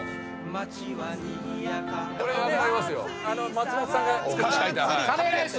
松本さんが作った。